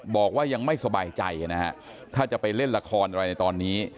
บอกว่ายังไม่สบายใจนะฮะถ้าจะไปเล่นละครอะไรในตอนนี้